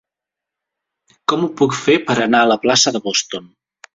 Com ho puc fer per anar a la plaça de Boston?